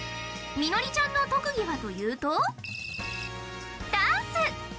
ミノリちゃんの特技はというとダンス！